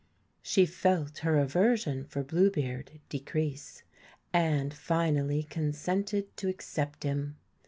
She felt her aversion for Blue beard decrease, and finally consented to accept him.